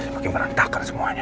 makin merantah kan semuanya